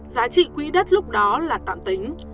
giá trị quỹ đất lúc đó là tạm tính